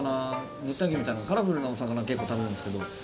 熱帯魚みたいなカラフルなお魚を結構食べるんですけど。